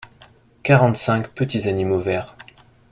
Quarante-cinq petits animaux verts.